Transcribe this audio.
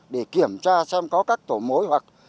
để kiểm tra xem có các tổ mối hoặc